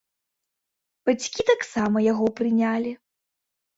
Бацькі таксама яго прынялі.